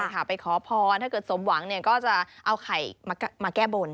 ถ้าเกิดสมหวังเนี่ยก็จะเอาไข่มาแก้บ่น